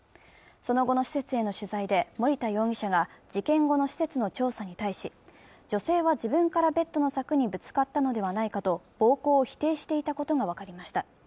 その後の施設への取材で森田容疑者が、事件後の施設の調査に対し、女性は自分からベッドの柵にぶつかったのではないかと暴行を否定していたことが分かりました。